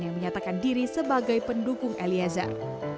yang menyatakan diri sebagai pendukung eliezer